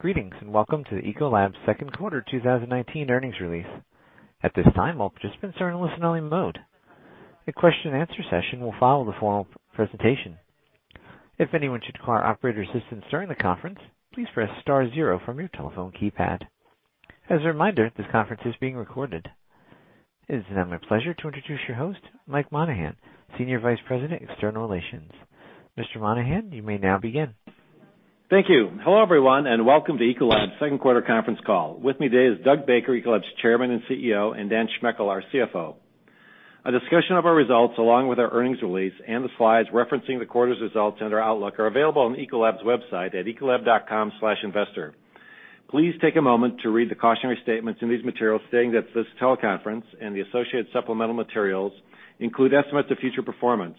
Greetings, welcome to Ecolab's second quarter 2019 earnings release. At this time, all participants are in a listen-only mode. A question and answer session will follow the formal presentation. If anyone should require operator assistance during the conference, please press star zero from your telephone keypad. As a reminder, this conference is being recorded. It is now my pleasure to introduce your host, Mike Monahan, Senior Vice President, External Relations. Mr. Monahan, you may now begin. Thank you. Hello, everyone, welcome to Ecolab's second quarter conference call. With me today is Doug Baker, Ecolab's Chairman and CEO, and Dan Schmechel, our CFO. A discussion of our results, along with our earnings release and the slides referencing the quarter's results and our outlook, are available on ecolab.com/investor. Please take a moment to read the cautionary statements in these materials stating that this teleconference and the associated supplemental materials include estimates of future performance.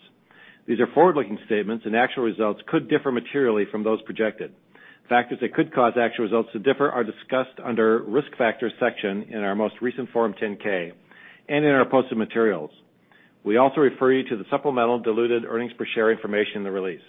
These are forward-looking statements. Actual results could differ materially from those projected. Factors that could cause actual results to differ are discussed under Risk Factors section in our most recent Form 10-K and in our posted materials. We also refer you to the supplemental diluted earnings per share information in the release.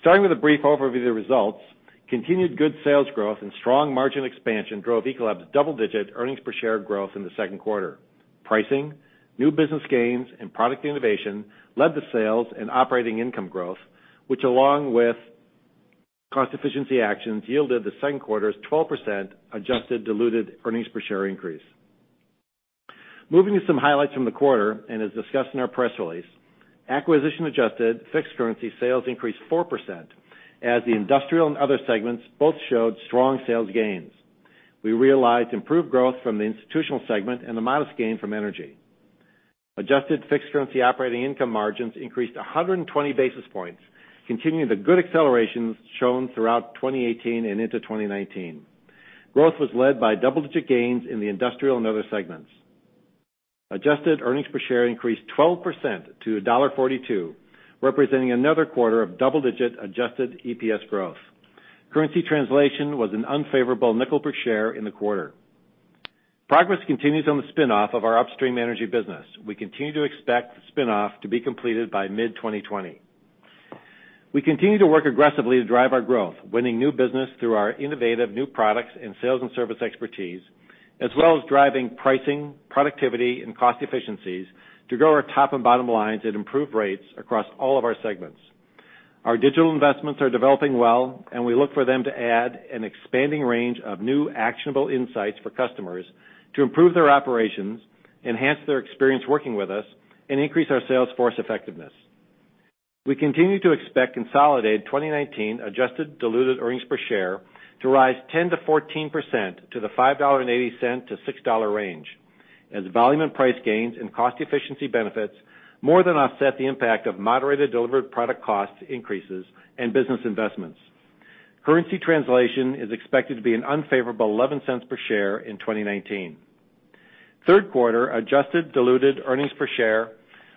Starting with a brief overview of the results, continued good sales growth and strong margin expansion drove Ecolab's double-digit earnings per share growth in the second quarter. Pricing, new business gains, and product innovation led to sales and operating income growth, which along with cost efficiency actions, yielded the second quarter's 12% adjusted diluted earnings per share increase. As discussed in our press release, acquisition-adjusted fixed currency sales increased 4% as the industrial and other segments both showed strong sales gains. We realized improved growth from the institutional segment and a modest gain from energy. Adjusted fixed currency operating income margins increased 120 basis points, continuing the good accelerations shown throughout 2018 and into 2019. Growth was led by double-digit gains in the industrial and other segments. Adjusted earnings per share increased 12% to $1.42, representing another quarter of double-digit adjusted EPS growth. Currency translation was an unfavorable $0.05 per share in the quarter. Progress continues on the spin-off of our upstream energy business. We continue to expect the spin-off to be completed by mid-2020. We continue to work aggressively to drive our growth, winning new business through our innovative new products and sales and service expertise, as well as driving pricing, productivity, and cost efficiencies to grow our top and bottom lines at improved rates across all of our segments. Our digital investments are developing well, and we look for them to add an expanding range of new actionable insights for customers to improve their operations, enhance their experience working with us, and increase our sales force effectiveness. We continue to expect consolidated 2019 adjusted diluted earnings per share to rise 10%-14% to the $5.80-$6 range as volume and price gains and cost efficiency benefits more than offset the impact of moderated delivered product cost increases and business investments. Currency translation is expected to be an unfavorable $0.11 per share in 2019. Third quarter adjusted diluted earnings per share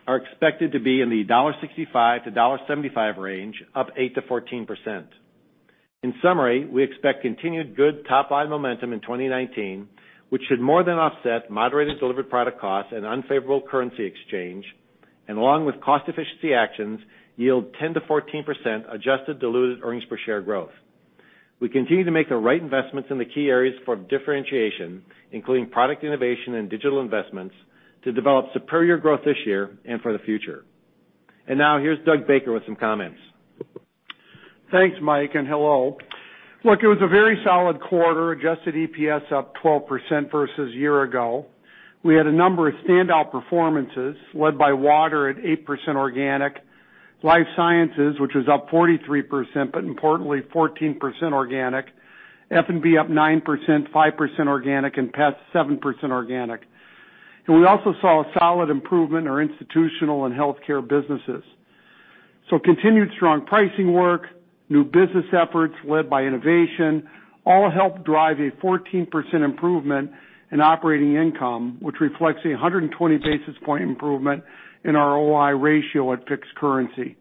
are expected to be in the $1.65-$1.75 range, up 8%-14%. In summary, we expect continued good top-line momentum in 2019, which should more than offset moderated delivered product costs and unfavorable currency exchange, and along with cost efficiency actions, yield 10%-14% adjusted diluted earnings per share growth. We continue to make the right investments in the key areas for differentiation, including product innovation and digital investments, to develop superior growth this year and for the future. Now, here's Doug Baker with some comments. Thanks, Mike, and hello. It was a very solid quarter, adjusted EPS up 12% versus year ago. We had a number of standout performances led by water at 8% organic, life sciences, which was up 43%, but importantly 14% organic, F&B up 9%, 5% organic, and pest 7% organic. We also saw a solid improvement in our institutional and healthcare businesses. Continued strong pricing work, new business efforts led by innovation, all helped drive a 14% improvement in operating income, which reflects a 120 basis point improvement in our OI ratio at fixed currency.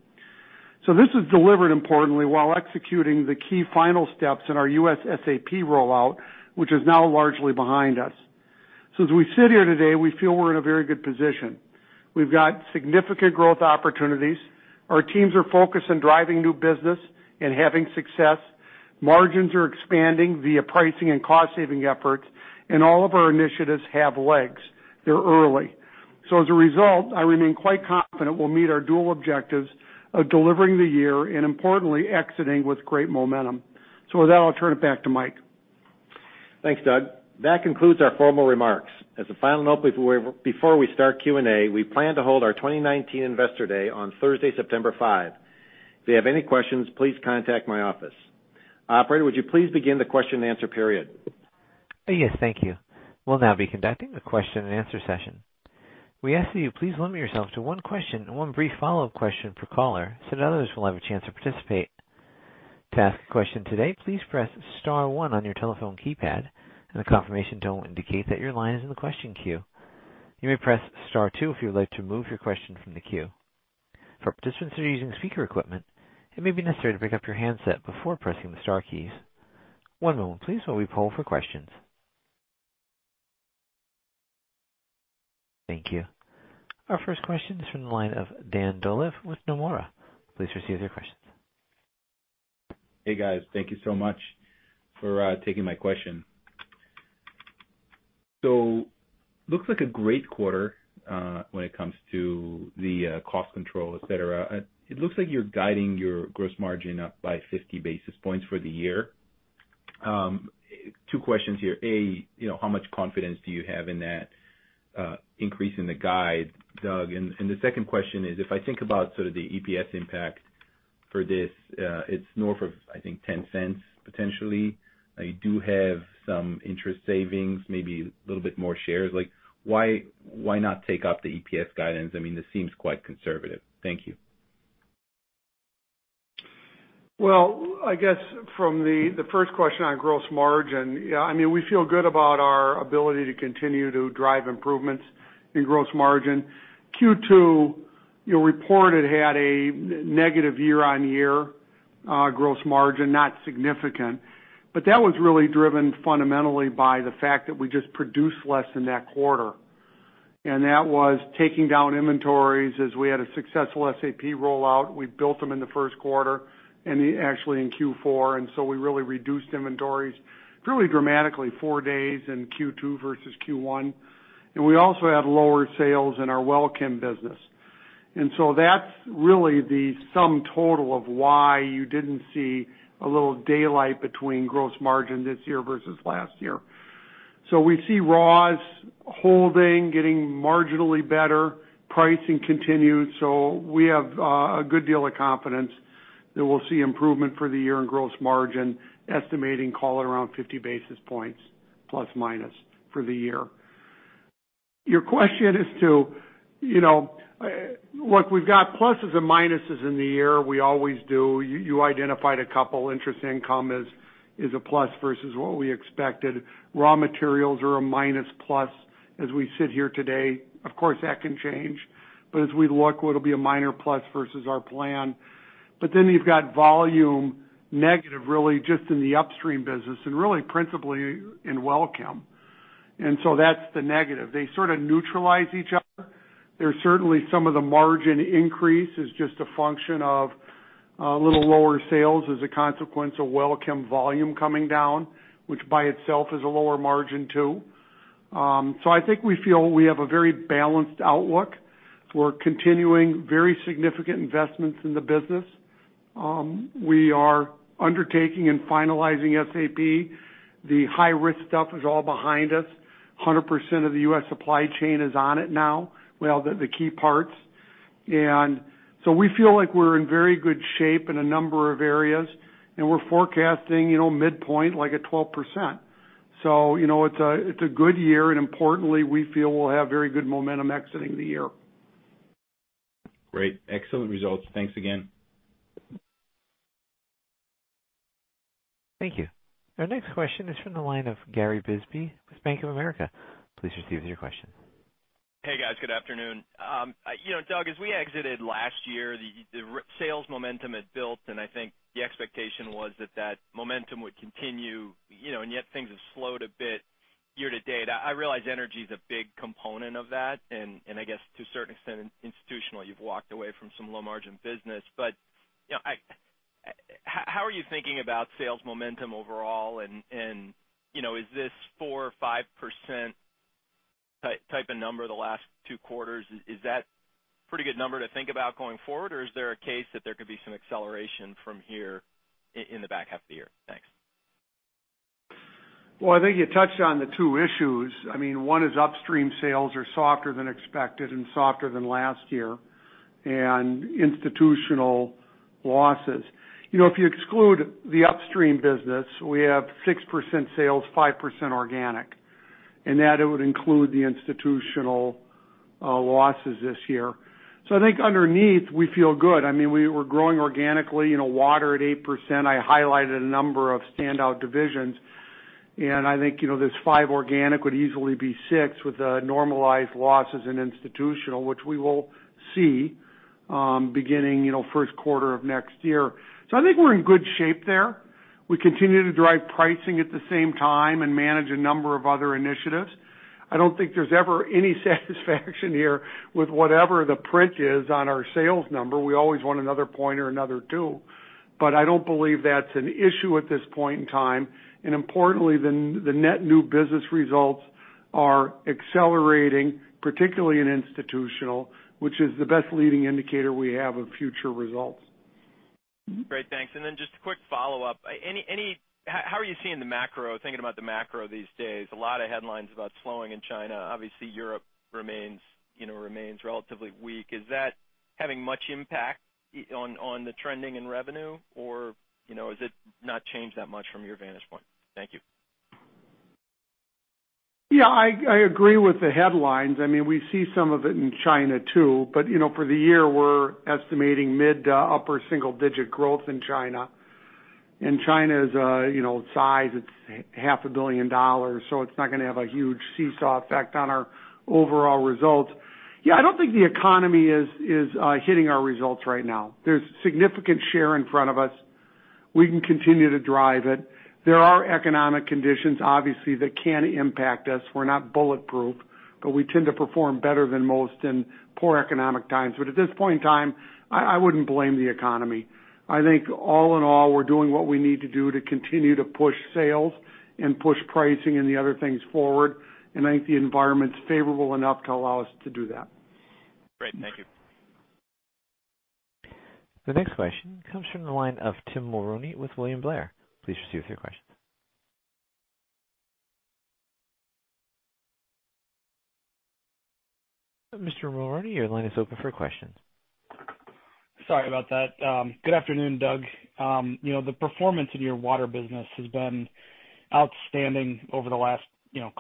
This is delivered importantly while executing the key final steps in our U.S. SAP rollout, which is now largely behind us. As we sit here today, we feel we're in a very good position. We've got significant growth opportunities. Our teams are focused on driving new business and having success. Margins are expanding via pricing and cost-saving efforts. All of our initiatives have legs. They're early. As a result, I remain quite confident we'll meet our dual objectives of delivering the year and importantly exiting with great momentum. With that, I'll turn it back to Mike. Thanks, Doug. That concludes our formal remarks. As a final note, before we start Q&A, we plan to hold our 2019 Investor Day on Thursday, September 5. If you have any questions, please contact my office. Operator, would you please begin the question and answer period? Yes, thank you. We'll now be conducting a question and answer session. We ask that you please limit yourself to one question and one brief follow-up question per caller so that others will have a chance to participate. To ask a question today, please press star one on your telephone keypad, and a confirmation tone will indicate that your line is in the question queue. You may press star two if you would like to remove your question from the queue. For participants that are using speaker equipment, it may be necessary to pick up your handset before pressing the star keys. One moment please while we poll for questions. Thank you. Our first question is from the line of Dan Dolev with Nomura. Please proceed with your questions. Hey, guys. Thank you so much for taking my question. Looks like a great quarter when it comes to the cost control, et cetera. It looks like you're guiding your gross margin up by 50 basis points for the year. Two questions here. A, how much confidence do you have in that increase in the guide, Doug? The second question is, if I think about sort of the EPS impact for this, it's north of, I think, $0.10 potentially. You do have some interest savings, maybe a little bit more shares. Why not take up the EPS guidance? This seems quite conservative. Thank you. Well, I guess from the first question on gross margin, we feel good about our ability to continue to drive improvements in gross margin. Q2 reported had a negative year-over-year gross margin, not significant. That was really driven fundamentally by the fact that we just produced less in that quarter. That was taking down inventories as we had a successful SAP rollout. We built them in the first quarter and actually in Q4, we really reduced inventories really dramatically, four days in Q2 versus Q1. We also had lower sales in our WellChem business. That's really the sum total of why you didn't see a little daylight between gross margin this year versus last year. We see raws holding, getting marginally better. Pricing continued, we have a good deal of confidence that we'll see improvement for the year in gross margin, estimating call it around 50 basis points, plus minus for the year. Your question, we've got pluses and minuses in the year. We always do. You identified a couple. Interest income is a plus versus what we expected. Raw materials are a minus plus as we sit here today. Of course, that can change. As we look, it'll be a minor plus versus our plan. You've got volume negative really just in the upstream business and really principally in WellChem. That's the negative. They sort of neutralize each other. Certainly some of the margin increase is just a function of a little lower sales as a consequence of WellChem volume coming down, which by itself is a lower margin, too. I think we feel we have a very balanced outlook. We're continuing very significant investments in the business. We are undertaking and finalizing SAP. The high-risk stuff is all behind us. 100% of the U.S. supply chain is on it now, well, the key parts. We feel like we're in very good shape in a number of areas, and we're forecasting midpoint like at 12%. It's a good year, and importantly, we feel we'll have very good momentum exiting the year. Great. Excellent results. Thanks again. Thank you. Our next question is from the line of Gary Bisbee with Bank of America. Please proceed with your question. Hey, guys. Good afternoon. Doug, as we exited last year, the sales momentum had built, and I think the expectation was that that momentum would continue, yet things have slowed a bit year to date. I realize energy's a big component of that, and I guess to a certain extent, in institutional, you've walked away from some low-margin business. How are you thinking about sales momentum overall? Is this 4% or 5% type of number the last two quarters, is that pretty good number to think about going forward? Is there a case that there could be some acceleration from here in the back half of the year? Thanks. Well, I think you touched on the two issues. One is Upstream sales are softer than expected and softer than last year, and Institutional losses. If you exclude the Upstream business, we have 6% sales, 5% organic, and that it would include the Institutional losses this year. I think underneath, we feel good. We're growing organically, water at 8%. I highlighted a number of standout divisions, and I think this 5 organic would easily be six with the normalized losses in Institutional, which we will see beginning first quarter of next year. I think we're in good shape there. We continue to drive pricing at the same time and manage a number of other initiatives. I don't think there's ever any satisfaction here with whatever the print is on our sales number. We always want another point or another two. I don't believe that's an issue at this point in time. Importantly, the net new business results are accelerating, particularly in institutional, which is the best leading indicator we have of future results. Great. Thanks. Just a quick follow-up. How are you seeing the macro, thinking about the macro these days? A lot of headlines about slowing in China. Obviously, Europe remains relatively weak. Is that having much impact on the trending in revenue, or has it not changed that much from your vantage point? Thank you. Yeah, I agree with the headlines. We see some of it in China, too. For the year, we're estimating mid to upper single-digit growth in China. China's size, it's $0.5 billion, so it's not going to have a huge seesaw effect on our overall results. Yeah, I don't think the economy is hitting our results right now. There's significant share in front of us. We can continue to drive it. There are economic conditions, obviously, that can impact us. We're not bulletproof, but we tend to perform better than most in poor economic times. At this point in time, I wouldn't blame the economy. I think all in all, we're doing what we need to do to continue to push sales and push pricing and the other things forward. I think the environment's favorable enough to allow us to do that. Great. Thank you. The next question comes from the line of Tim Mulrooney with William Blair. Please proceed with your questions. Mr. Mulrooney, your line is open for questions. Sorry about that. Good afternoon, Doug. The performance in your water business has been outstanding over the last,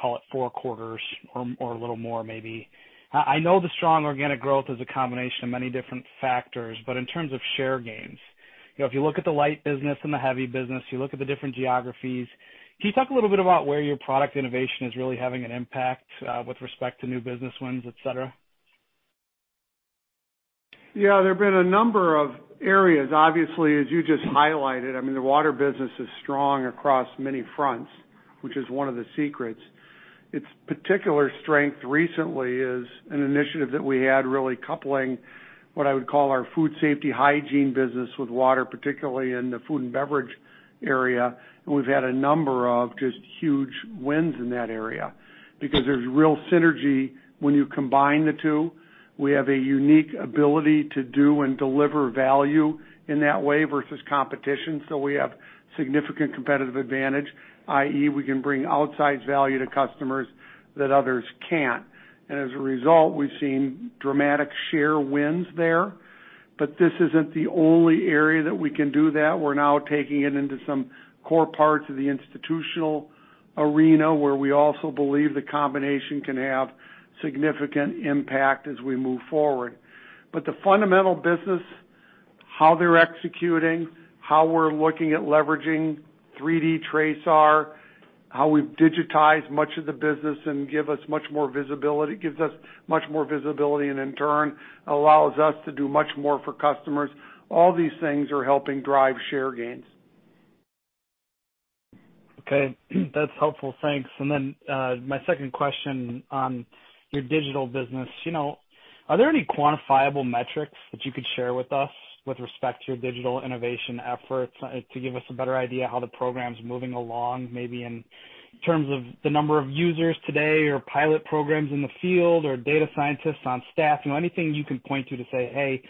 call it, four quarters or a little more maybe. I know the strong organic growth is a combination of many different factors, in terms of share gains, if you look at the light business and the heavy business, you look at the different geographies, can you talk a little bit about where your product innovation is really having an impact with respect to new business wins, et cetera? Yeah. There have been a number of areas. Obviously, as you just highlighted, the water business is strong across many fronts, which is one of the secrets. Its particular strength recently is an initiative that we had really coupling what I would call our food safety hygiene business with water, particularly in the food and beverage area. We've had a number of just huge wins in that area because there's real synergy when you combine the two. We have a unique ability to do and deliver value in that way versus competition. We have significant competitive advantage, i.e., we can bring outsized value to customers that others can't. As a result, we've seen dramatic share wins there. This isn't the only area that we can do that. We're now taking it into some core parts of the institutional arena, where we also believe the combination can have significant impact as we move forward. The fundamental business, how they're executing, how we're looking at leveraging 3D TRASAR, how we've digitized much of the business and gives us much more visibility, and in turn allows us to do much more for customers. All these things are helping drive share gains. Okay. That's helpful. Thanks. My second question on your digital business. Are there any quantifiable metrics that you could share with us with respect to your digital innovation efforts to give us a better idea how the program's moving along, maybe in terms of the number of users today or pilot programs in the field, or data scientists on staff? Anything you can point to say, "Hey,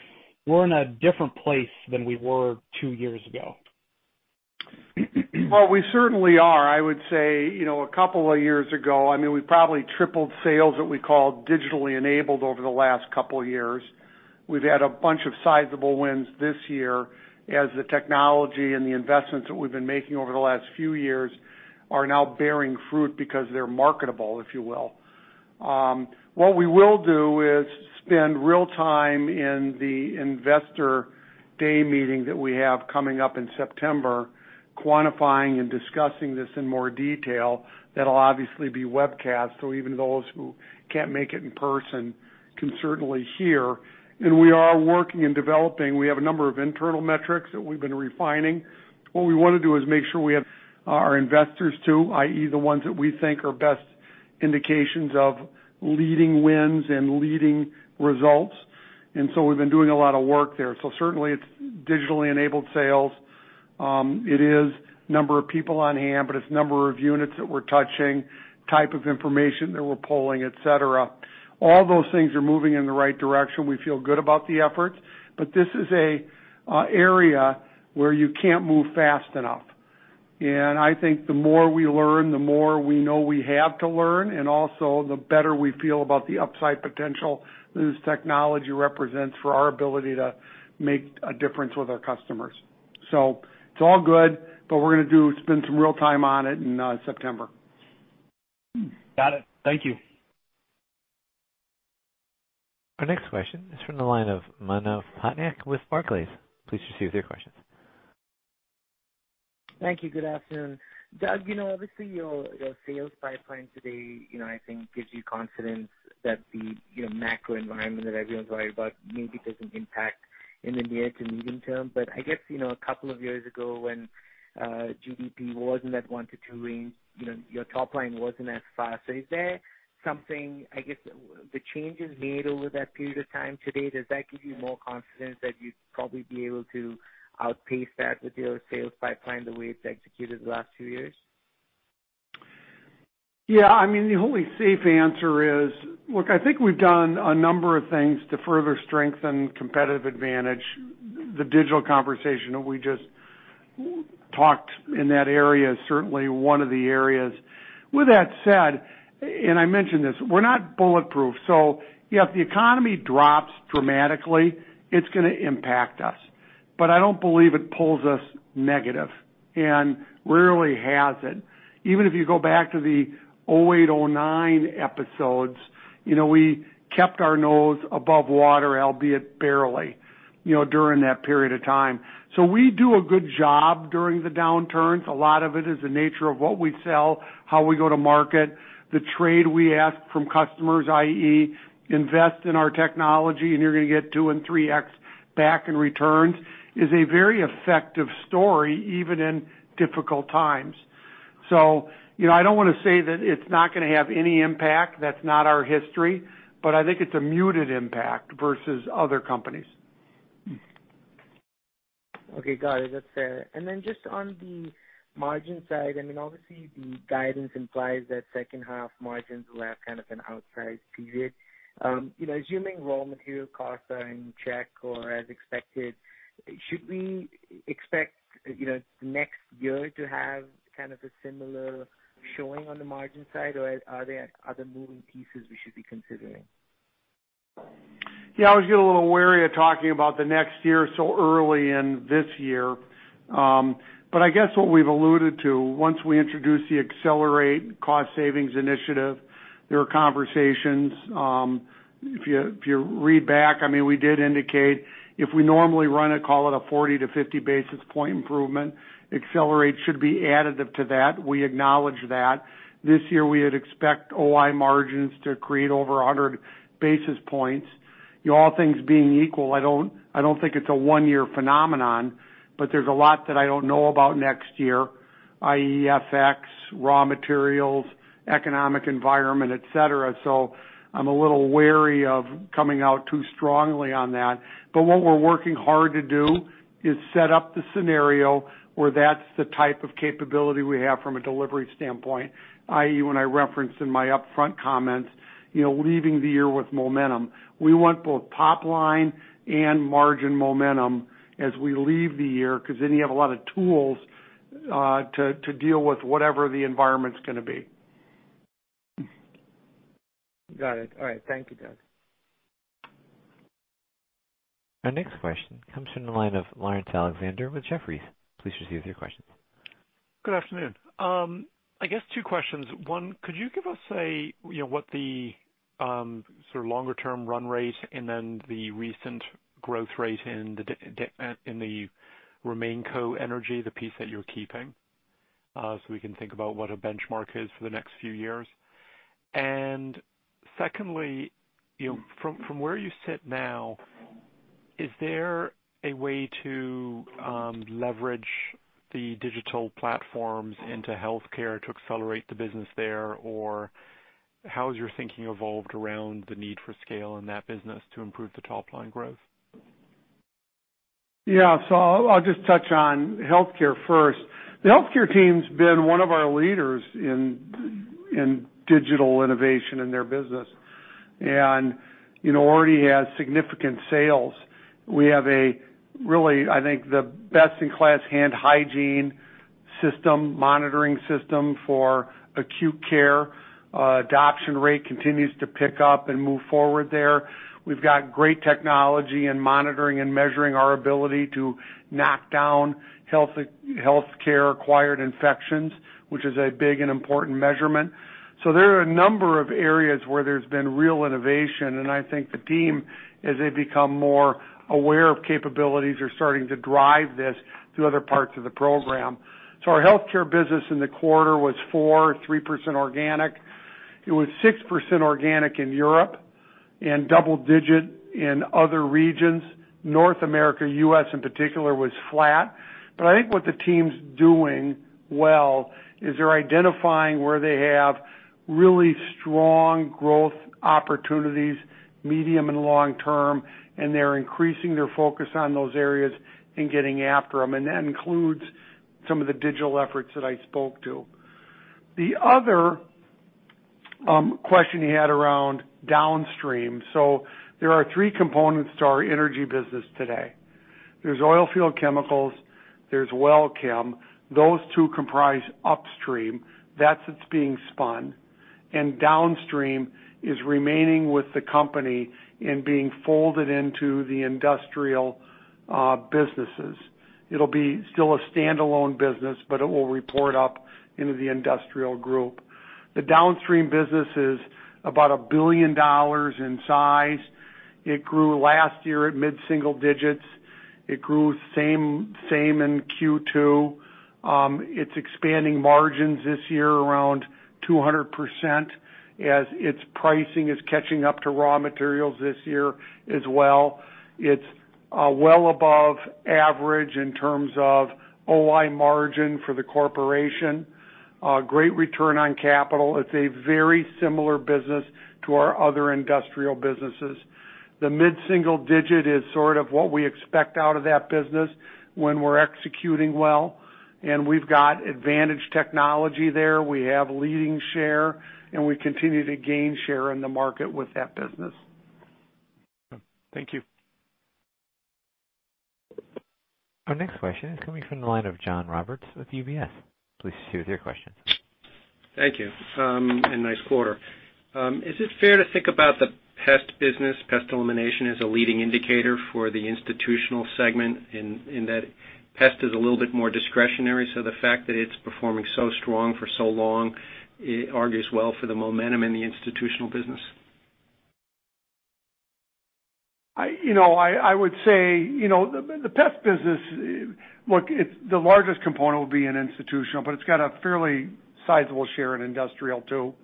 we're in a different place than we were two years ago. Well, we certainly are. I would say, a couple of years ago, we probably tripled sales that we call digitally enabled over the last couple of years. We've had a bunch of sizable wins this year as the technology and the investments that we've been making over the last few years are now bearing fruit because they're marketable, if you will. What we will do is spend real time in the investor day meeting that we have coming up in September, quantifying and discussing this in more detail. That'll obviously be webcast. Even those who can't make it in person can certainly hear. We are working and developing. We have a number of internal metrics that we've been refining. What we want to do is make sure we have our investors, too, i.e., the ones that we think are best indications of leading wins and leading results. We've been doing a lot of work there. Certainly it's digitally enabled sales. It is number of people on hand, but it's number of units that we're touching, type of information that we're pulling, et cetera. All those things are moving in the right direction. We feel good about the efforts, but this is an area where you can't move fast enough. I think the more we learn, the more we know we have to learn, and also the better we feel about the upside potential this technology represents for our ability to make a difference with our customers. It's all good, but we're going to spend some real time on it in September. Got it. Thank you. Our next question is from the line of Manav Patnaik with Barclays. Please proceed with your questions. Thank you. Good afternoon. Doug, obviously your sales pipeline today, I think gives you confidence that the macro environment that everyone's worried about maybe doesn't impact in the near to medium term. I guess, a couple of years ago when GDP was in that one to two range, your top line wasn't as fast. Is there something, I guess, the changes made over that period of time to date, does that give you more confidence that you'd probably be able to outpace that with your sales pipeline the way it's executed the last two years? The only safe answer is, look, I think we've done a number of things to further strengthen competitive advantage. The digital conversation that we just talked in that area is certainly one of the areas. With that said, and I mentioned this, we're not bulletproof. If the economy drops dramatically, it's going to impact us. I don't believe it pulls us negative and rarely has it. Even if you go back to the 2008, 2009 episodes, we kept our nose above water, albeit barely, during that period of time. We do a good job during the downturns. A lot of it is the nature of what we sell, how we go to market, the trade we ask from customers, i.e., invest in our technology, and you're going to get 2 and 3x back in returns, is a very effective story, even in difficult times. I don't want to say that it's not going to have any impact. That's not our history. I think it's a muted impact versus other companies. Okay, got it. That's fair. Then just on the margin side, obviously the guidance implies that second half margins will have kind of an outsized period. Assuming raw material costs are in check or as expected, should we expect next year to have kind of a similar showing on the margin side, or are there other moving pieces we should be considering? Yeah, I always get a little wary of talking about the next year so early in this year. I guess what we've alluded to, once we introduce the Accelerate cost savings initiative, there are conversations. If you read back, we did indicate if we normally run it, call it a 40-50 basis point improvement, Accelerate should be additive to that. We acknowledge that. This year, we had expect OI margins to create over 100 basis points. All things being equal, I don't think it's a one-year phenomenon, but there's a lot that I don't know about next year, i.e., FX, raw materials, economic environment, et cetera. I'm a little wary of coming out too strongly on that. What we're working hard to do is set up the scenario where that's the type of capability we have from a delivery standpoint, i.e., when I referenced in my upfront comments, leaving the year with momentum. We want both top line and margin momentum as we leave the year, because then you have a lot of tools to deal with whatever the environment's going to be. Got it. All right. Thank you, Doug. Our next question comes from the line of Laurence Alexander with Jefferies. Please proceed with your questions. Good afternoon. I guess two questions. One, could you give us what the sort of longer-term run rate and then the recent growth rate in the RemainCo energy, the piece that you're keeping, so we can think about what a benchmark is for the next few years? Secondly, from where you sit now, is there a way to leverage the digital platforms into healthcare to accelerate the business there? How has your thinking evolved around the need for scale in that business to improve the top-line growth? I'll just touch on healthcare first. The healthcare team's been one of our leaders in digital innovation in their business and already has significant sales. We have a really, I think, the best-in-class hand hygiene monitoring system for acute care. Adoption rate continues to pick up and move forward there. We've got great technology in monitoring and measuring our ability to knock down healthcare acquired infections, which is a big and important measurement. There are a number of areas where there's been real innovation, and I think the team, as they become more aware of capabilities, are starting to drive this to other parts of the program. Our healthcare business in the quarter was 4%, 3% organic. It was 6% organic in Europe and double digit in other regions. North America, U.S. in particular, was flat. I think what the team's doing well is they're identifying where they have really strong growth opportunities, medium and long term, and they're increasing their focus on those areas and getting after them. That includes some of the digital efforts that I spoke to. The other question you had around downstream. There are three components to our energy business today. There's oil field chemicals, there's WellChem. Those two comprise upstream. That's what's being spun, and downstream is remaining with the company and being folded into the industrial businesses. It'll be still a standalone business, but it will report up into the industrial group. The downstream business is about $1 billion in size. It grew last year at mid-single digits. It grew same in Q2. It's expanding margins this year around 200% as its pricing is catching up to raw materials this year as well. It's well above average in terms of OI margin for the corporation. Great return on capital. It's a very similar business to our other industrial businesses. The mid-single digit is sort of what we expect out of that business when we're executing well, and we've got advantage technology there. We have leading share, and we continue to gain share in the market with that business. Thank you. Our next question is coming from the line of John Roberts with UBS. Please proceed with your question. Thank you, and nice quarter. Is it fair to think about the pest business, Pest Elimination, as a leading indicator for the Institutional segment in that pest is a little bit more discretionary, so the fact that it's performing so strong for so long, it argues well for the momentum in the Institutional business? I would say the pest business, look, the largest component will be in institutional, but it's got a fairly sizable share in industrial too.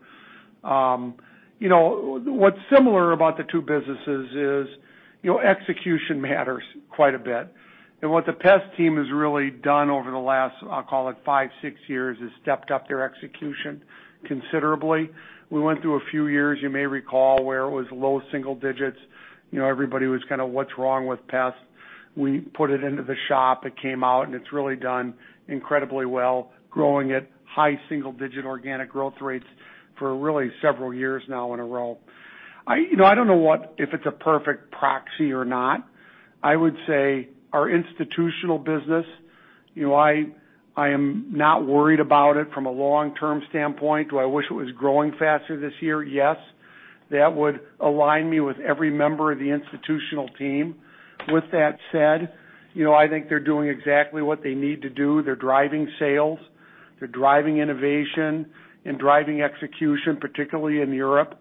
What's similar about the two businesses is execution matters quite a bit. What the pest team has really done over the last, I'll call it five, six years, is stepped up their execution considerably. We went through a few years, you may recall, where it was low single digits. Everybody was kind of, "What's wrong with pest?" We put it into the shop, it came out, it's really done incredibly well, growing at high single digit organic growth rates for really several years now in a row. I don't know if it's a perfect proxy or not. I would say our institutional business, I am not worried about it from a long-term standpoint. Do I wish it was growing faster this year? Yes. That would align me with every member of the institutional team. With that said, I think they're doing exactly what they need to do. They're driving sales, they're driving innovation and driving execution, particularly in Europe.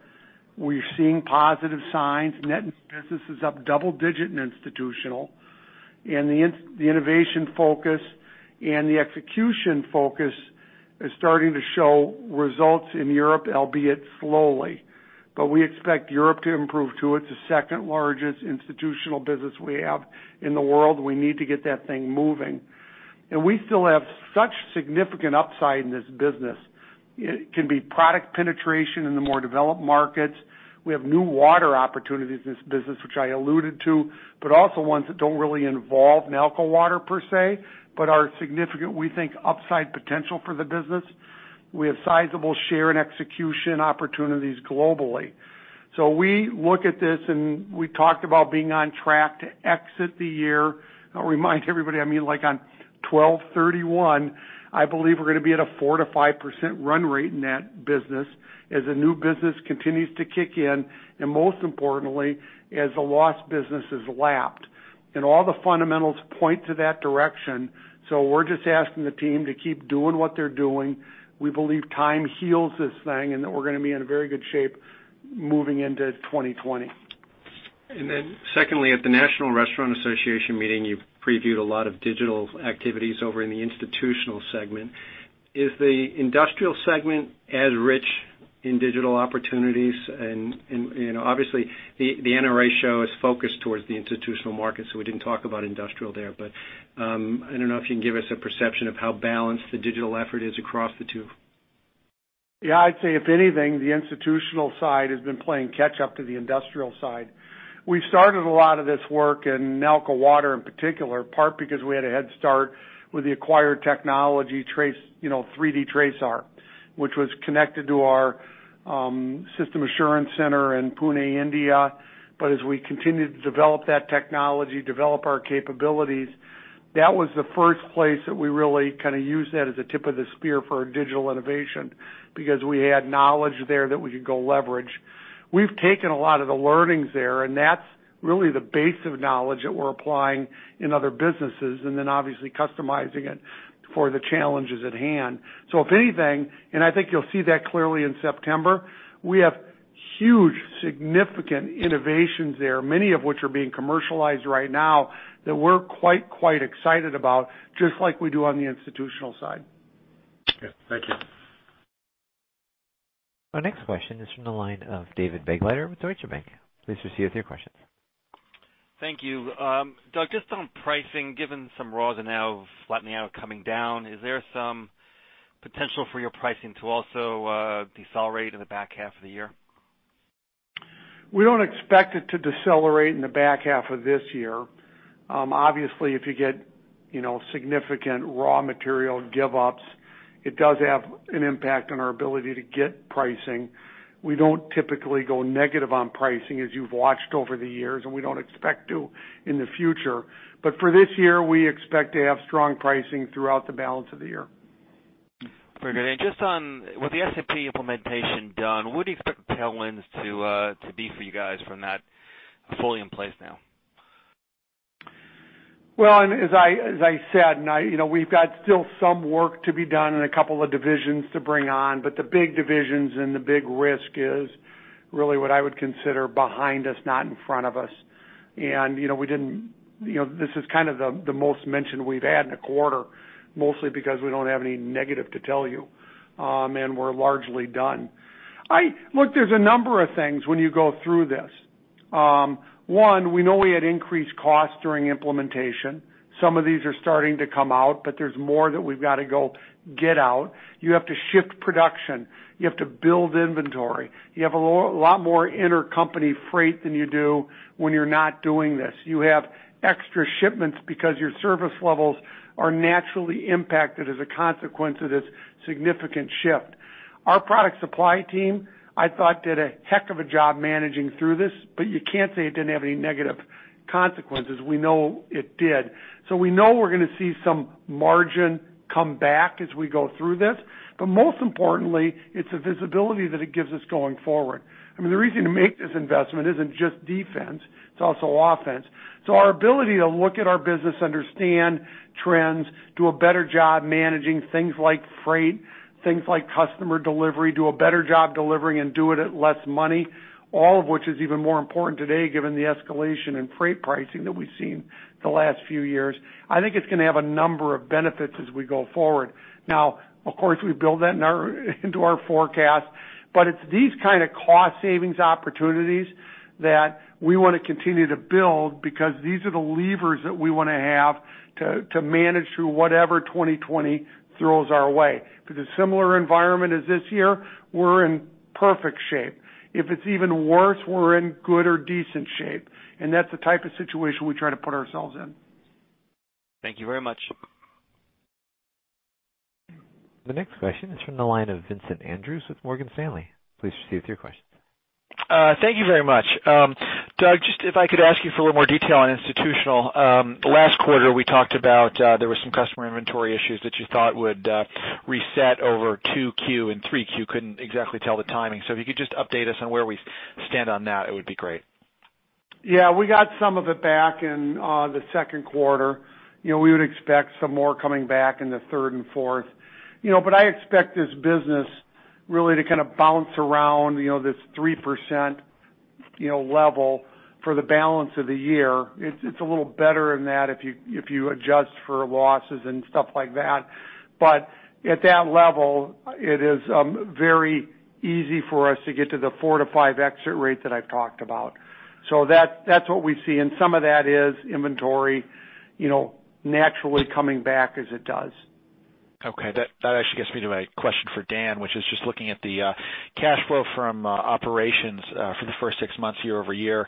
We're seeing positive signs. Net business is up double digit in institutional. The innovation focus and the execution focus is starting to show results in Europe, albeit slowly. We expect Europe to improve, too. It's the second-largest institutional business we have in the world. We need to get that thing moving. We still have such significant upside in this business. It can be product penetration in the more developed markets. We have new water opportunities in this business, which I alluded to, but also ones that don't really involve Nalco Water per se, but are significant, we think, upside potential for the business. We have sizable share and execution opportunities globally. We look at this, and we talked about being on track to exit the year. I'll remind everybody, on 12/31, I believe we're going to be at a 4%-5% run rate in that business as the new business continues to kick in, and most importantly, as the loss business is lapped. All the fundamentals point to that direction. We're just asking the team to keep doing what they're doing. We believe time heals this thing, and that we're going to be in a very good shape moving into 2020. Then secondly, at the National Restaurant Association meeting, you previewed a lot of digital activities over in the institutional segment. Is the industrial segment as rich in digital opportunities? Obviously, the NRA show is focused towards the institutional market, so we didn't talk about industrial there. I don't know if you can give us a perception of how balanced the digital effort is across the two. I'd say if anything, the institutional side has been playing catch up to the industrial side. We started a lot of this work in Nalco Water in particular, part because we had a head start with the acquired technology, 3D TRASAR, which was connected to our system assurance center in Pune, India. As we continued to develop that technology, develop our capabilities, that was the first place that we really used that as a tip of the spear for our digital innovation, because we had knowledge there that we could go leverage. We've taken a lot of the learnings there, and that's really the base of knowledge that we're applying in other businesses, and then obviously customizing it for the challenges at hand. If anything, and I think you'll see that clearly in September, we have huge, significant innovations there, many of which are being commercialized right now, that we're quite excited about, just like we do on the institutional side. Okay. Thank you. Our next question is from the line of David Begleiter with Deutsche Bank. Please proceed with your question. Thank you. Doug, just on pricing, given some raws are now flattening out coming down, is there some potential for your pricing to also decelerate in the back half of the year? We don't expect it to decelerate in the back half of this year. Obviously, if you get significant raw material give-ups, it does have an impact on our ability to get pricing. We don't typically go negative on pricing, as you've watched over the years, and we don't expect to in the future. For this year, we expect to have strong pricing throughout the balance of the year. Very good. With the SAP implementation done, what do you expect the tailwinds to be for you guys from that fully in place now? Well, as I said, we've got still some work to be done and a couple of divisions to bring on, but the big divisions and the big risk is really what I would consider behind us, not in front of us. This is kind of the most mention we've had in a quarter, mostly because we don't have any negative to tell you, and we're largely done. Look, there's a number of things when you go through this. One, we know we had increased costs during implementation. Some of these are starting to come out, but there's more that we've got to go get out. You have to shift production. You have to build inventory. You have a lot more intercompany freight than you do when you're not doing this. You have extra shipments because your service levels are naturally impacted as a consequence of this significant shift. Our product supply team, I thought did a heck of a job managing through this, but you can't say it didn't have any negative consequences. We know it did. We know we're going to see some margin come back as we go through this. Most importantly, it's the visibility that it gives us going forward. The reason to make this investment isn't just defense, it's also offense. Our ability to look at our business, understand trends, do a better job managing things like freight, things like customer delivery, do a better job delivering and do it at less money, all of which is even more important today given the escalation in freight pricing that we've seen the last few years. I think it's going to have a number of benefits as we go forward. Of course, we build that into our forecast, but it's these kind of cost savings opportunities that we want to continue to build because these are the levers that we want to have to manage through whatever 2020 throws our way. If it's a similar environment as this year, we're in perfect shape. If it's even worse, we're in good or decent shape, and that's the type of situation we try to put ourselves in. Thank you very much. The next question is from the line of Vincent Andrews with Morgan Stanley. Please proceed with your question. Thank you very much. Doug, just if I could ask you for a little more detail on institutional. Last quarter, we talked about there were some customer inventory issues that you thought would reset over 2Q and 3Q. Couldn't exactly tell the timing. If you could just update us on where we stand on that, it would be great. Yeah. We got some of it back in the second quarter. We would expect some more coming back in the third and fourth. I expect this business really to kind of bounce around this 3% level for the balance of the year. It's a little better than that if you adjust for losses and stuff like that. At that level, it is very easy for us to get to the 4%-5% exit rate that I've talked about. That's what we see, and some of that is inventory naturally coming back as it does. That actually gets me to my question for Dan, which is just looking at the cash flow from operations for the first six months year-over-year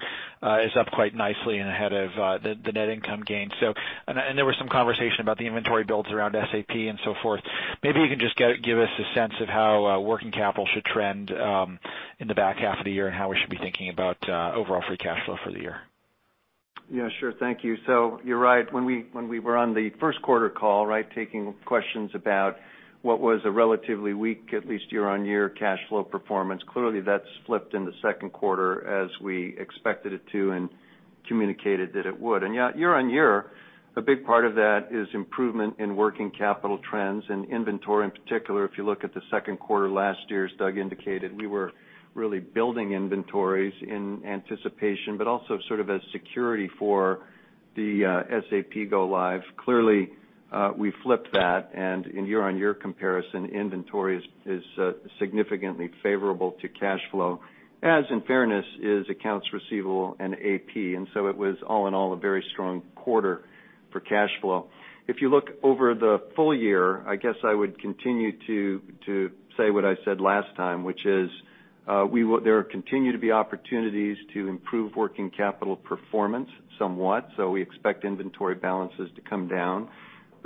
is up quite nicely and ahead of the net income gain. There was some conversation about the inventory builds around SAP and so forth. Maybe you can just give us a sense of how working capital should trend in the back half of the year and how we should be thinking about overall free cash flow for the year. Sure. Thank you. You're right. When we were on the first quarter call, taking questions about what was a relatively weak, at least year-over-year cash flow performance. Clearly, that's flipped in the second quarter as we expected it to and communicated that it would. Year-over-year, a big part of that is improvement in working capital trends and inventory in particular. If you look at the second quarter last year, as Doug indicated, we were really building inventories in anticipation, but also sort of as security for the SAP go live. Clearly, we flipped that, and in year-over-year comparison, inventory is significantly favorable to cash flow. As in fairness is accounts receivable and AP. It was all in all a very strong quarter for cash flow. If you look over the full year, I guess I would continue to say what I said last time, which is, there continue to be opportunities to improve working capital performance somewhat. We expect inventory balances to come down.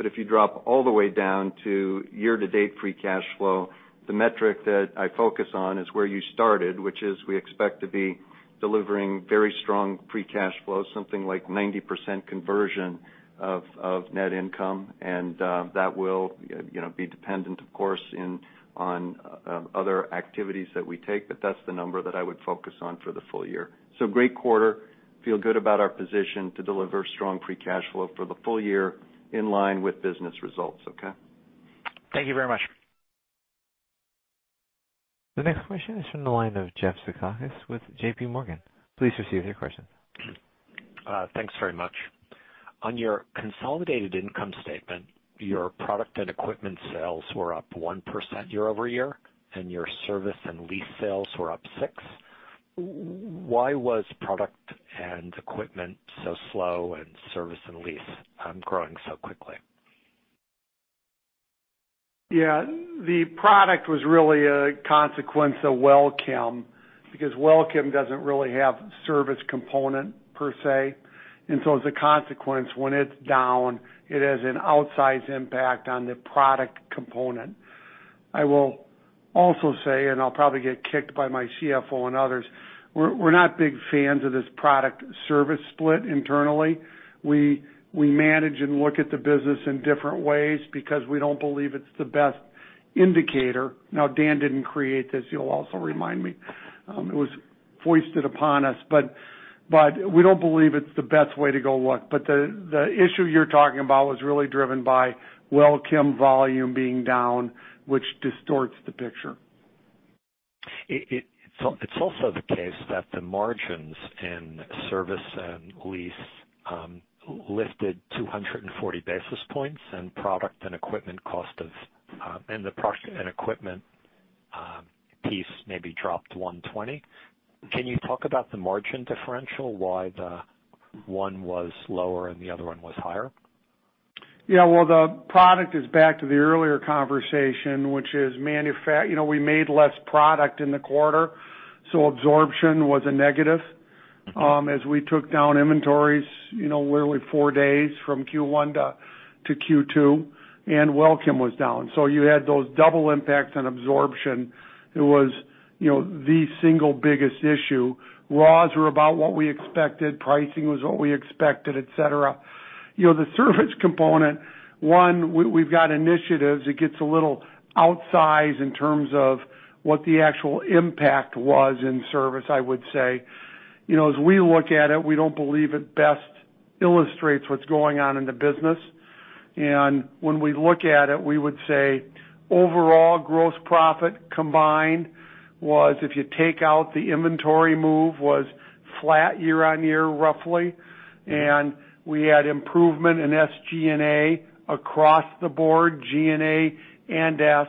If you drop all the way down to year-to-date free cash flow, the metric that I focus on is where you started, which is we expect to be delivering very strong free cash flow, something like 90% conversion of net income. That will be dependent, of course, on other activities that we take. That's the number that I would focus on for the full year. Great quarter. Feel good about our position to deliver strong free cash flow for the full year in line with business results. Okay? Thank you very much. The next question is from the line of Jeff Zekauskas with JPMorgan. Please proceed with your question. Thanks very much. On your consolidated income statement, your product and equipment sales were up 1% year-over-year, and your service and lease sales were up 6%. Why was product and equipment so slow and service and lease growing so quickly? Yeah. The product was really a consequence of WellChem, because WellChem doesn't really have service component per se. As a consequence, when it's down, it has an outsized impact on the product component. I will also say, and I'll probably get kicked by my CFO and others, we're not big fans of this product service split internally. We manage and look at the business in different ways because we don't believe it's the best indicator. Dan didn't create this, you'll also remind me. It was foisted upon us, we don't believe it's the best way to go look. The issue you're talking about was really driven by WellChem volume being down, which distorts the picture. It's also the case that the margins in service and lease lifted 240 basis points and product and equipment piece maybe dropped 120. Can you talk about the margin differential, why the one was lower and the other one was higher? Yeah. Well, the product is back to the earlier conversation, which is we made less product in the quarter, so absorption was a negative as we took down inventories literally four days from Q1 to Q2, and WellChem was down. You had those double impacts on absorption. It was the single biggest issue. Raws were about what we expected, pricing was what we expected, et cetera. The service component, one, we've got initiatives. It gets a little outsized in terms of what the actual impact was in service, I would say. As we look at it, we don't believe it best illustrates what's going on in the business. When we look at it, we would say overall gross profit combined was, if you take out the inventory move, was flat year-on-year, roughly. We had improvement in SG&A across the board, G&A and S.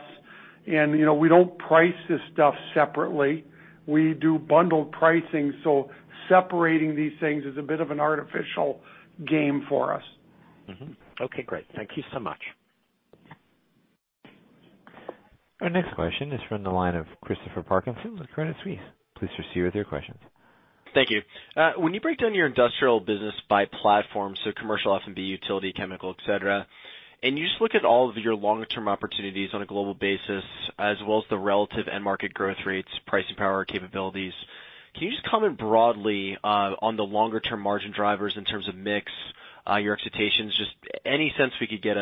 We don't price this stuff separately. We do bundled pricing, so separating these things is a bit of an artificial game for us. Okay, great. Thank you so much. Our next question is from the line of Christopher Parkinson with Credit Suisse. Please proceed with your questions. Thank you. When you break down your industrial business by platform, so commercial, F&B, utility, chemical, et cetera, and you just look at all of your long-term opportunities on a global basis, as well as the relative end market growth rates, pricing power capabilities, can you just comment broadly on the longer term margin drivers in terms of mix, your expectations, just any sense we could get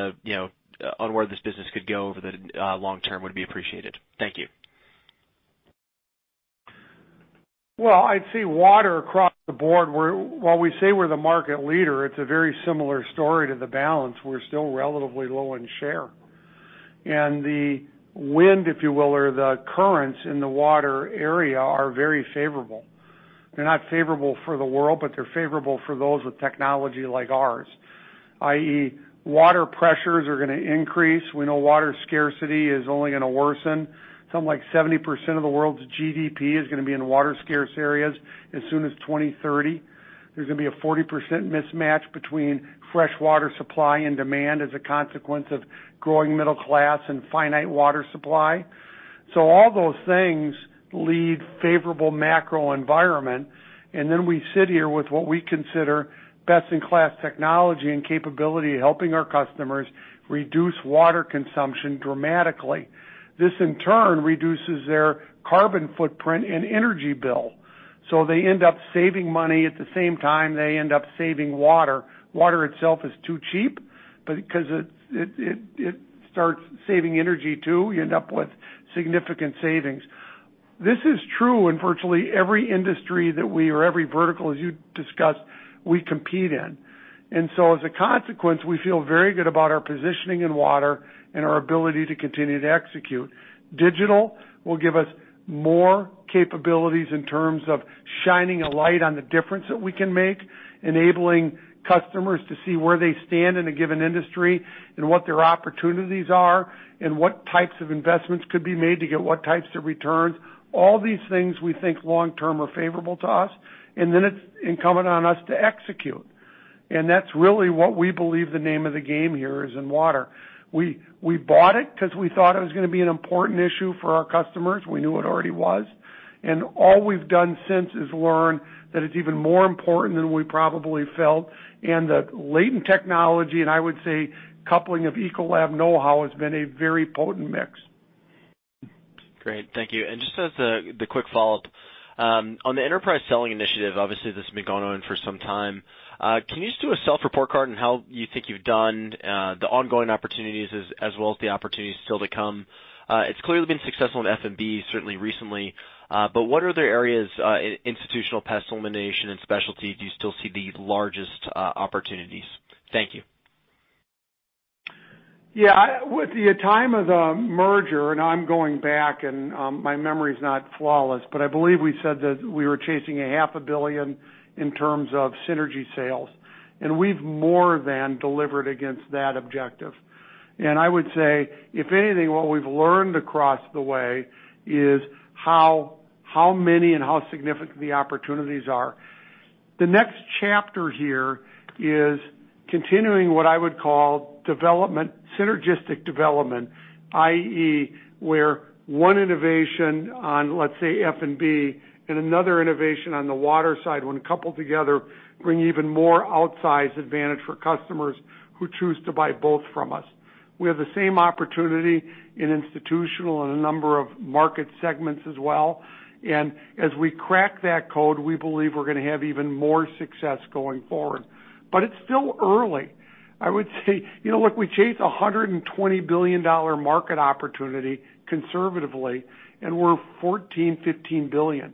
on where this business could go over the long term would be appreciated. Thank you. Well, I'd say water across the board, while we say we're the market leader, it's a very similar story to the balance. We're still relatively low in share. The wind, if you will, or the currents in the water area are very favorable. They're not favorable for the world, but they're favorable for those with technology like ours, i.e., water pressures are going to increase. We know water scarcity is only going to worsen. Something like 70% of the world's GDP is going to be in water scarce areas as soon as 2030. There's going to be a 40% mismatch between fresh water supply and demand as a consequence of growing middle class and finite water supply. All those things lead favorable macro environment, and then we sit here with what we consider best in class technology and capability, helping our customers reduce water consumption dramatically. This in turn reduces their carbon footprint and energy bill. They end up saving money at the same time they end up saving water. Water itself is too cheap, but because it starts saving energy too, you end up with significant savings. This is true in virtually every industry that we, or every vertical, as you discussed, we compete in. As a consequence, we feel very good about our positioning in water and our ability to continue to execute. Digital will give us more capabilities in terms of shining a light on the difference that we can make, enabling customers to see where they stand in a given industry and what their opportunities are and what types of investments could be made to get what types of returns. All these things we think long term are favorable to us, and then it's incumbent on us to execute. That's really what we believe the name of the game here is in water. We bought it because we thought it was going to be an important issue for our customers. We knew it already was. All we've done since is learn that it's even more important than we probably felt, and the latent technology, and I would say coupling of Ecolab know-how has been a very potent mix. Great. Thank you. Just as the quick follow-up, on the Enterprise Selling Initiative, obviously this has been going on for some time. Can you just do a self-report card on how you think you've done, the ongoing opportunities as well as the opportunities still to come? It's clearly been successful in F&B, certainly recently. What other areas, Institutional, Pest Elimination, and Specialty, do you still see the largest opportunities? Thank you. Yeah. At the time of the merger, and I'm going back and my memory's not flawless, but I believe we said that we were chasing a half a billion in terms of synergy sales. We've more than delivered against that objective. I would say, if anything, what we've learned across the way is how many and how significant the opportunities are. The next chapter here is continuing what I would call synergistic development, i.e., where one innovation on, let's say, F&B and another innovation on the water side, when coupled together, bring even more outsized advantage for customers who choose to buy both from us. We have the same opportunity in institutional and a number of market segments as well. As we crack that code, we believe we're going to have even more success going forward. It's still early. I would say, look, we chase $120 billion market opportunity conservatively, we're $14 billion-$15 billion.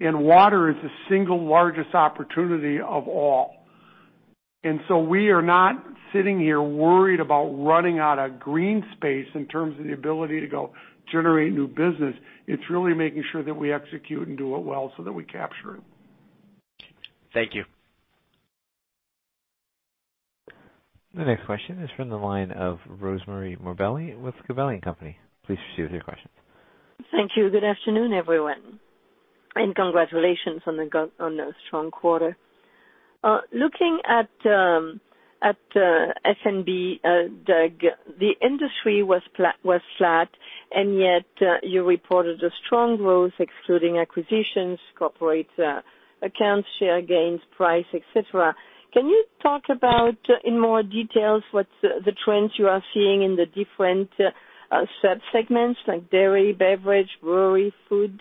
Water is the single largest opportunity of all. We are not sitting here worried about running out of green space in terms of the ability to go generate new business. It's really making sure that we execute and do it well so that we capture it. Thank you. The next question is from the line of Rosemarie Morbelli with Gabelli and Company. Please proceed with your questions. Thank you. Good afternoon, everyone, and congratulations on a strong quarter. Looking at F&B, Doug, the industry was flat, and yet you reported a strong growth excluding acquisitions, corporate accounts, share gains, price, et cetera. Can you talk about, in more details, what's the trends you are seeing in the different sub-segments, like dairy, beverage, brewery, food?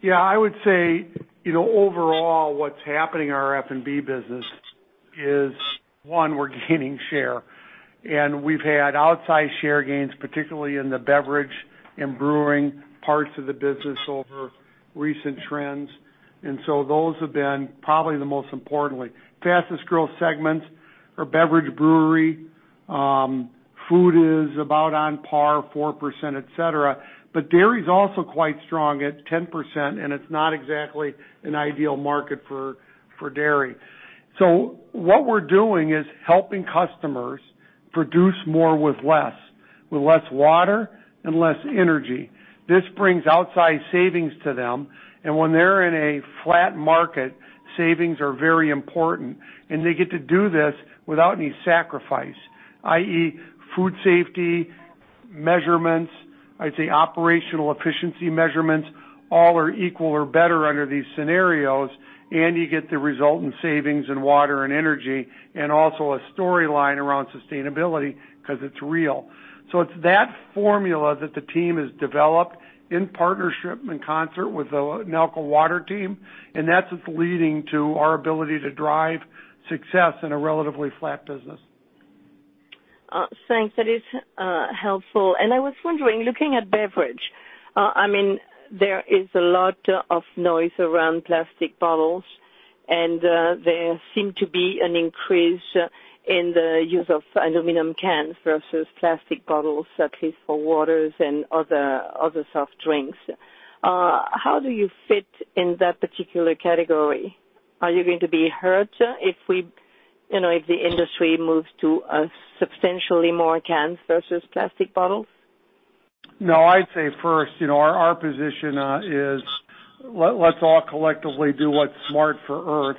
Yeah, I would say, overall, what's happening in our F&B business is one, we're gaining share. We've had outsized share gains, particularly in the beverage and brewing parts of the business over recent trends. Those have been probably the most importantly. Fastest growth segments are beverage, brewery. Food is about on par 4%, et cetera. Dairy is also quite strong at 10%, and it's not exactly an ideal market for dairy. What we're doing is helping customers produce more with less water and less energy. This brings outsize savings to them, and when they're in a flat market, savings are very important, and they get to do this without any sacrifice. i.e., food safety measurements, I'd say operational efficiency measurements, all are equal or better under these scenarios, and you get the resultant savings in water and energy, and also a storyline around sustainability because it's real. It's that formula that the team has developed in partnership, in concert with the Nalco Water team, and that's what's leading to our ability to drive success in a relatively flat business. Thanks. That is helpful. I was wondering, looking at beverage, there is a lot of noise around plastic bottles, and there seem to be an increase in the use of aluminum cans versus plastic bottles, at least for waters and other soft drinks. How do you fit in that particular category? Are you going to be hurt if the industry moves to substantially more cans versus plastic bottles? I'd say first, our position is let's all collectively do what's smart for Earth.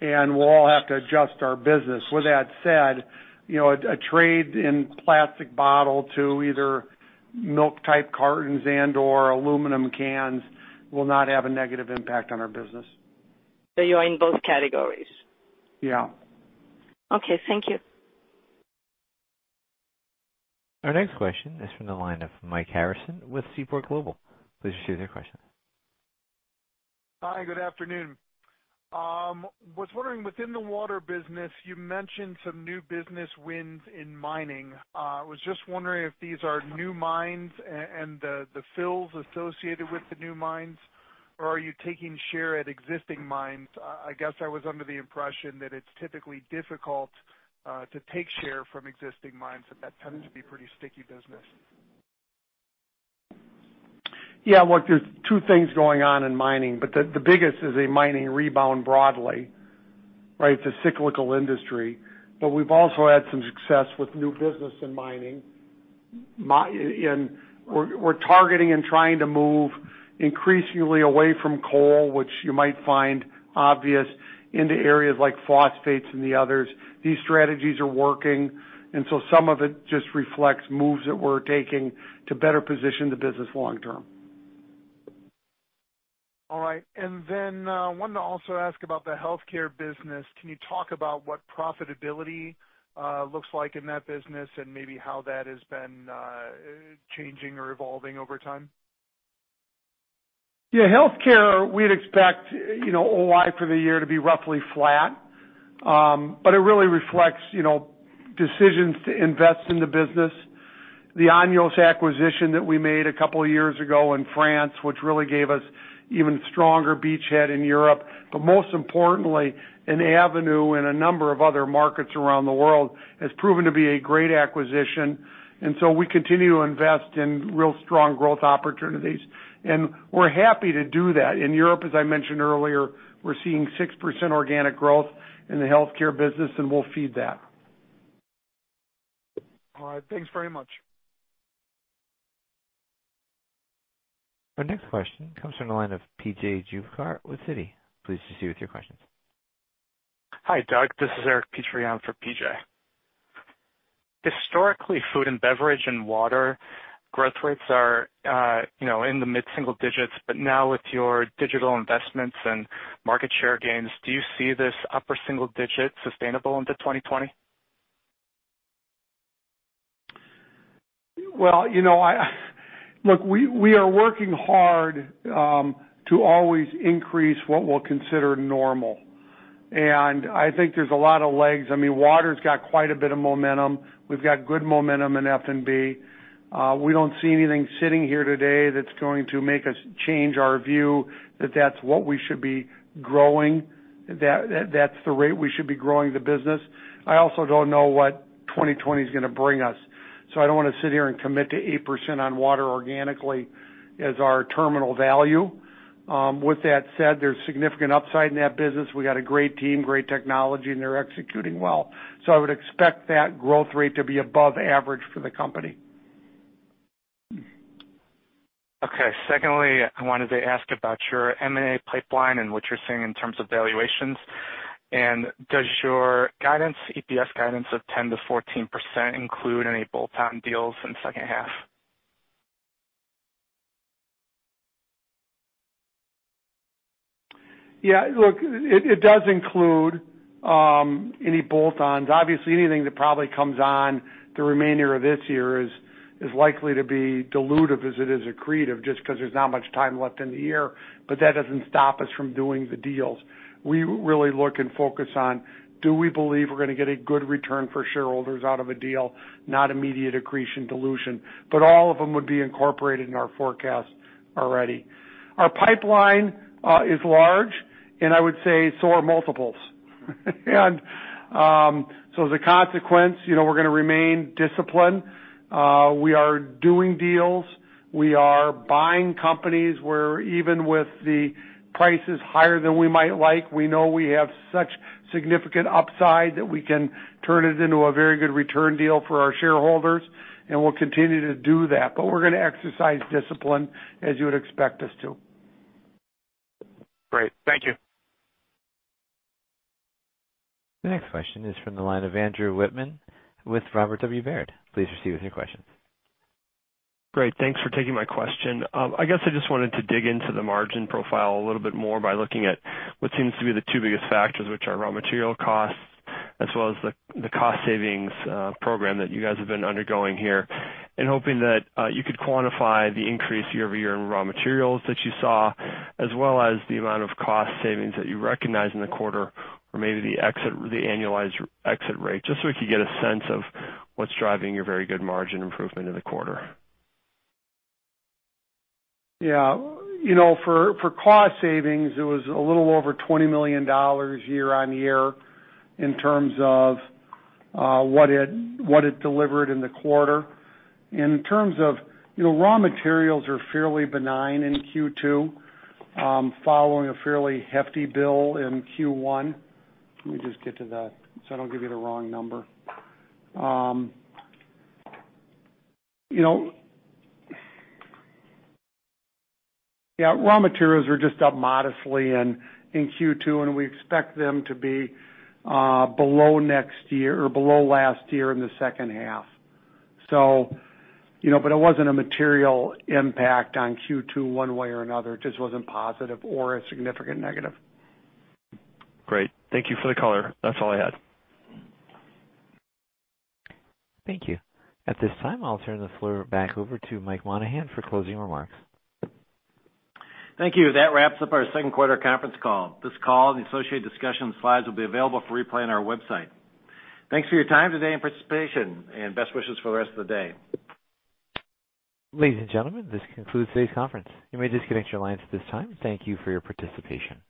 We'll all have to adjust our business. With that said, a trade in plastic bottle to either milk-type cartons and/or aluminum cans will not have a negative impact on our business. You are in both categories? Yeah. Okay. Thank you. Our next question is from the line of Mike Harrison with Seaport Global. Please share your question. Hi, good afternoon. I was wondering within the water business, you mentioned some new business wins in mining. I was just wondering if these are new mines and the fills associated with the new mines, or are you taking share at existing mines? I guess I was under the impression that it's typically difficult to take share from existing mines, that that tends to be pretty sticky business. Yeah, Mike, there's two things going on in mining, but the biggest is a mining rebound broadly, right? It's a cyclical industry. We've also had some success with new business in mining. We're targeting and trying to move increasingly away from coal, which you might find obvious into areas like phosphates and the others. These strategies are working. Some of it just reflects moves that we're taking to better position the business long term. All right. Then, I wanted to also ask about the healthcare business. Can you talk about what profitability looks like in that business and maybe how that has been changing or evolving over time? Yeah, healthcare, we'd expect OI for the year to be roughly flat. It really reflects decisions to invest in the business. The Anios acquisition that we made a couple of years ago in France, which really gave us even stronger beachhead in Europe. Most importantly, an avenue in a number of other markets around the world has proven to be a great acquisition, we continue to invest in real strong growth opportunities. We're happy to do that. In Europe, as I mentioned earlier, we're seeing 6% organic growth in the healthcare business, we'll feed that. All right. Thanks very much. Our next question comes from the line of P.J. Juvekar with Citi. Please proceed with your questions. Hi, Doug. This is Eric Petrie for PJ. Historically, food and beverage and water growth rates are in the mid-single digits, but now with your digital investments and market share gains, do you see this upper single digit sustainable into 2020? Look, we are working hard to always increase what we'll consider normal. I think there's a lot of legs. Water's got quite a bit of momentum. We've got good momentum in F&B. We don't see anything sitting here today that's going to make us change our view that that's what we should be growing, that's the rate we should be growing the business. I also don't know what 2020 is going to bring us, I don't want to sit here and commit to 8% on water organically as our terminal value. With that said, there's significant upside in that business. We got a great team, great technology, and they're executing well. I would expect that growth rate to be above average for the company. Okay. Secondly, I wanted to ask about your M&A pipeline and what you're seeing in terms of valuations. Does your EPS guidance of 10%-14% include any bolt-on deals in second half? Yeah. Look, it does include any bolt-ons. Anything that probably comes on the remainder of this year is likely to be dilutive as it is accretive, just because there's not much time left in the year. That doesn't stop us from doing the deals. We really look and focus on, do we believe we're going to get a good return for shareholders out of a deal, not immediate accretion dilution. All of them would be incorporated in our forecast already. Our pipeline is large, and I would say so are multiples. As a consequence, we're going to remain disciplined. We are doing deals. We are buying companies where even with the prices higher than we might like, we know we have such significant upside that we can turn it into a very good return deal for our shareholders, and we'll continue to do that. We're going to exercise discipline as you would expect us to. Great. Thank you. The next question is from the line of Andrew Wittmann with Robert W. Baird. Please proceed with your questions. Great. Thanks for taking my question. I guess I just wanted to dig into the margin profile a little bit more by looking at what seems to be the two biggest factors, which are raw material costs, as well as the cost savings program that you guys have been undergoing here hoping that you could quantify the increase year-over-year in raw materials that you saw, as well as the amount of cost savings that you recognized in the quarter, or maybe the annualized exit rate, just so we could get a sense of what's driving your very good margin improvement in the quarter. Yeah. For cost savings, it was a little over $20 million year-on-year in terms of what it delivered in the quarter. Raw materials are fairly benign in Q2, following a fairly hefty bill in Q1. Let me just get to that so I don't give you the wrong number. Raw materials were just up modestly in Q2, we expect them to be below last year in the second half. It wasn't a material impact on Q2 one way or another. It just wasn't positive or a significant negative. Great. Thank you for the color. That's all I had. Thank you. At this time, I'll turn the floor back over to Mike Monahan for closing remarks. Thank you. That wraps up our second quarter conference call. This call and the associated discussion slides will be available for replay on our website. Thanks for your time today and participation, and best wishes for the rest of the day. Ladies and gentlemen, this concludes today's conference. You may disconnect your lines at this time. Thank you for your participation.